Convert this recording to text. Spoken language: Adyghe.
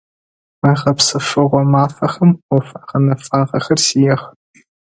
Мы гъэпсэфыгъо мафэхэм ӏоф гъэнэфагъэхэр сиӏэх.